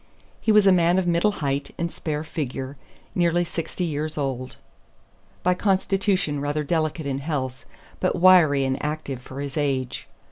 He was a man of middle height and spare figure, nearly sixty years old, by constitution rather delicate in health, but wiry and active for his age.